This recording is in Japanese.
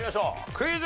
クイズ。